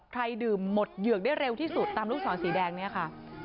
ดื่มหมดเหยือกได้เร็วที่สุดตามลูกศรสีแดงเนี่ยค่ะ